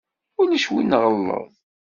Ulac win nɣelleḍ.